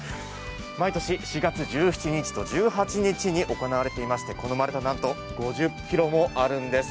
毎日４月１７日と１８日に行われていましてこの丸太、なんと５０ｋｇもあるんです